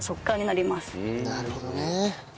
なるほどね。